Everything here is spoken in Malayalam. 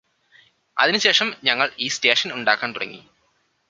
അതിനു ശേഷം ഞങ്ങൾ ഈ സ്റ്റേഷൻ ഉണ്ടാക്കാൻ തുടങ്ങി